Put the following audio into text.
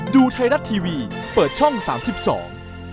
ดูไทยรัฐทีวีเปิดช่อง๓๒